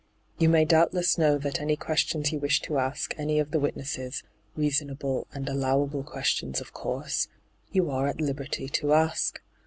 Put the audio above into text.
You may doubtless know that any questions you wish to ask any of the witnesses —•reasonable and allowable questions, of course — you are at liberty to ask.